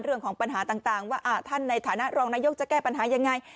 เรื่องของปัญหาต่างว่าท่านในฐานะรองนายกจะแก้ปัญหายังไง